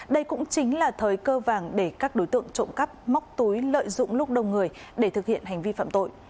đây cũng chính là thời cơ vàng để các đối tượng trộm cắp móc túi lợi dụng lúc đông người để thực hiện hành vi phạm tội